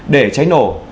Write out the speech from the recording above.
để cháy nổ